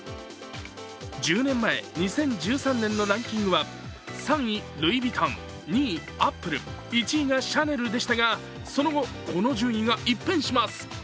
１０年前、２０１３年のランキングは３位ルイ・ヴィトン、２位アップル、１位がシャネルでしたが、その後、この順位が一変します。